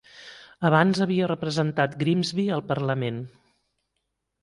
Abans havia representat Grimsby al Parlament.